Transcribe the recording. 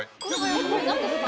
これ何ですか？